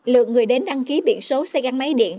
lượng người đến đăng ký biển số xe gắn máy điện